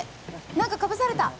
何かかぶされた！